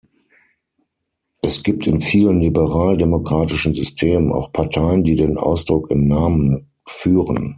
Es gibt in vielen liberal-demokratischen Systemen auch Parteien, die den Ausdruck im Namen führen.